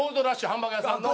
ハンバーグ屋さんの。